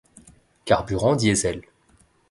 Carburant diesel.